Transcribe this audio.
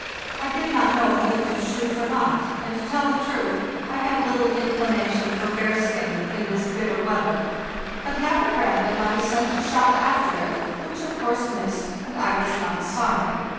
I did not know whether to shoot or not, and, to tell the truth, I had little inclination for bear skinning in this bitter weather; but half at random I sent a shot after it, which of course missed, and I was not sorry.